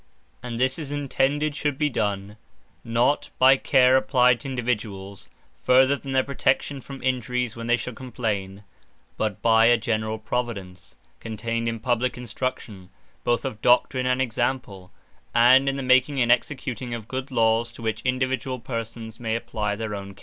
By Instruction & Lawes And this is intended should be done, not by care applyed to Individualls, further than their protection from injuries, when they shall complain; but by a generall Providence, contained in publique Instruction, both of Doctrine, and Example; and in the making, and executing of good Lawes, to which individuall persons may apply their own cases.